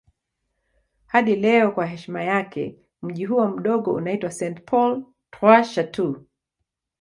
Hadi leo kwa heshima yake mji huo mdogo unaitwa St. Paul Trois-Chateaux.